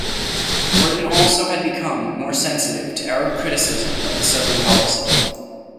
Britain also had become more sensitive to Arab criticism of the southern policy.